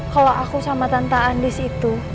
kalau aku sama tante andis itu